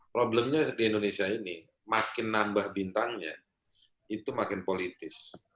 problemnya di indonesia ini makin nambah bintangnya itu makin politis